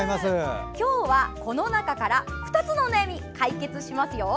今日はこの中から２つのお悩みを解決します。